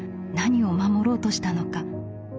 何を守ろうとしたのか。